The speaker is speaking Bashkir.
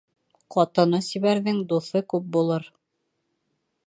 Ҡатыны сибәрҙең дуҫы күп булыр.